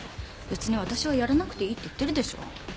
別に私はやらなくていいって言ってるでしょ。